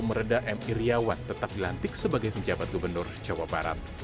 m iryawan tetap dilantik sebagai pejabat gubernur jawa barat